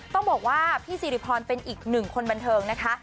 ต้องบอกว่าพี่สิริพรเป็นอีกหนึ่งคนบันเทิงนะคะ